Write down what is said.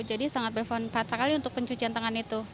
jadi sangat berfungsi sekali untuk pencucian tangan itu